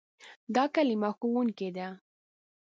دا کلمه "ښوونکی" ده.